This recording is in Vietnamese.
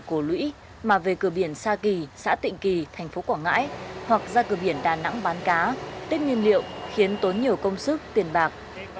cổ lũy mà về cửa biển sa kỳ xã tịnh kỳ thành phố quảng ngãi hoặc ra cửa biển đà nẵng bán cá tích nhiên liệu khiến tốn nhiều công sức tiền bạc